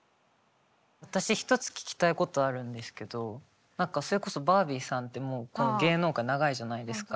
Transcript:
私１つ聞きたいことあるんですけど何かそれこそバービーさんってもう芸能界長いじゃないですか。